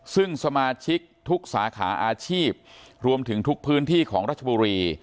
ซึ่งสมาชิกทุกสาขาอาชีพรวมถึงทุกพื้นที่ของรัชบุรี